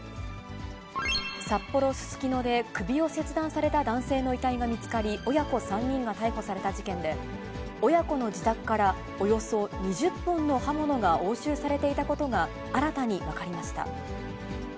札幌・すすきので首を切断された男性の遺体が見つかり親子３人が逮捕された事件で、親子の自宅からおよそ２０本の刃物が押収されていたことが新たに分かりました。